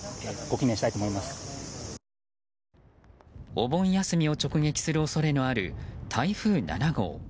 お盆休みを直撃する恐れのある台風７号。